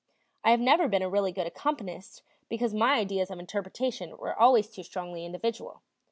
I have never been a really good accompanist because my ideas of interpretation were always too strongly individual.